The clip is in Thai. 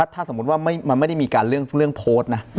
ถ้าสมมุติว่ามันไม่ได้มีการเรื่องโพสต์นะ